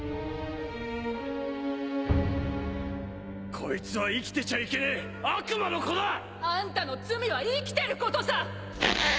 こいつは生きてちゃいけねえ悪魔の子だ！あんたの罪は生きてることさ！